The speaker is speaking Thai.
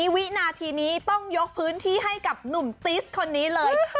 วินาทีนี้ต้องยกพื้นที่ให้กับหนุ่มติสคนนี้เลย